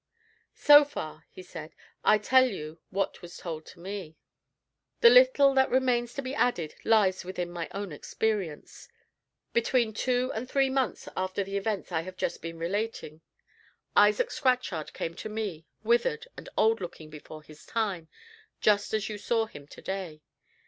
"So far," he said, "I tell you what was told to me. The little that remains to be added lies within my own experience. Between two and three months after the events I have just been relating, Isaac Scatchard came to me, withered and old looking before his time, just as you saw him to day.